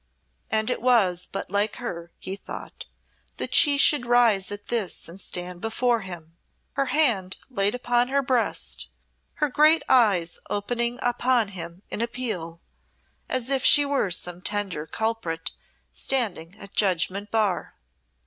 And it was but like her, he thought, that she should rise at this and stand before him, her hand laid upon her breast, her great eyes opening upon him in appeal, as if she were some tender culprit standing at judgment bar.